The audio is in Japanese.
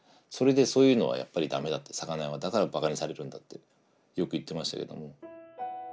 それでそういうのはやっぱりダメだって魚屋はだからバカにされるんだってよく言ってましたけども。